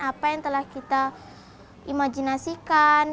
apa yang telah kita imajinasikan